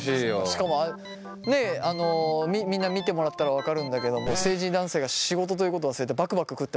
しかもねっみんな見てもらったら分かるんだけども成人男性が仕事ということを忘れてバクバク食ってますから。